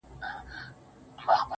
زه به د خال او خط خبري كوم~